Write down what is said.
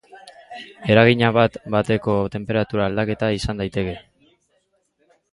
Eragina bat bateko tenperatura aldaketa izan daiteke.